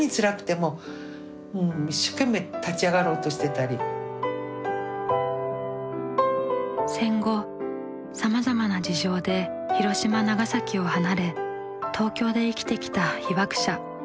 さっき申し上げたように戦後さまざまな事情で広島長崎を離れ東京で生きてきた被爆者。